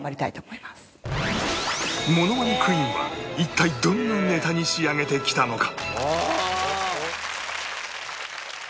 モノマネクイーンは一体どんなネタに仕上げてきたのか？